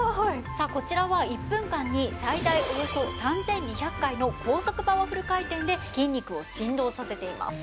さあこちらは１分間に最大およそ３２００回の高速パワフル回転で筋肉を振動させています。